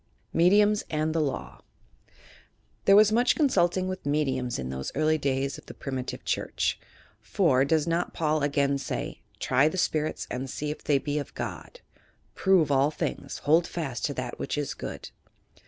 MEDIUMS AND THE I»iW There was much consulting with "mediums" in those early days of the primitive church ; for, does not Paul again say, "Try the spirits and see if they be of God," "Prove all things; bold fast to that which is good."